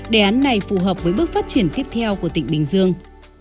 đề án này phù hợp với bước phát triển tiếp theo của tỉnh bình dương